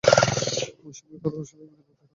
মা সম্পর্কে তার অস্বাভাবিক নীরবতার কারণ কী হতে পারে?